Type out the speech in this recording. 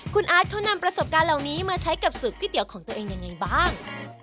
คุณอาร์ตเขานำประสบการณ์เหล่านี้มาใช้กับสูตรก๋วยเตี๋ยวของตัวเองยังไงบ้าง